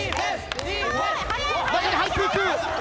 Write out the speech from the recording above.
中に入っていく！